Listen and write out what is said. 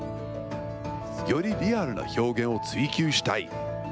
よりリアルな表現を追求したい。